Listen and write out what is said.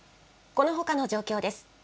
このほかの状況です。